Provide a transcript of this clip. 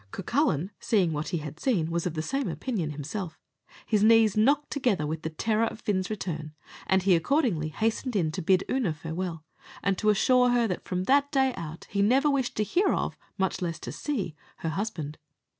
Cucullin, seeing what he had seen, was of the same opinion himself; his knees knocked together with the terror of Fin's return, and he accordingly hastened in to bid Oonagh farewell, and to assure her, that from that day out, he never wished to hear of, much less to see, her husband.